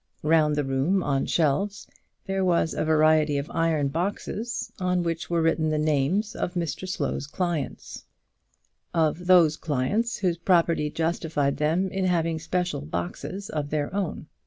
Round the room, on shelves, there was a variety of iron boxes, on which were written the names of Mr Slow's clients, of those clients whose property justified them in having special boxes of their own.